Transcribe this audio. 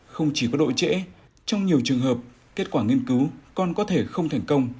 không chỉ có độ trễ trong nhiều trường hợp kết quả nghiên cứu còn có thể không thành công